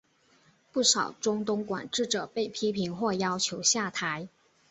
不少中东管治者被批评或要求下台。